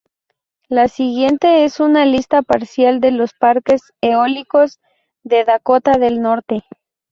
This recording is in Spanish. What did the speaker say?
La siguiente es una lista parcial de los parques eólicos de Dakota del Norte.